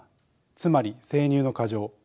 つまり生乳の過剰。